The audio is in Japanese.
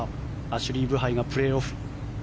アシュリー・ブハイがプレーオフ。